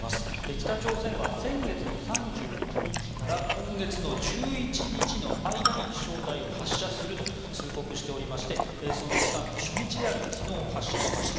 北朝鮮は先月の３１日から今月の１１日の間に飛翔体を発射すると通告しておりましてその期間の初日である昨日発射しました。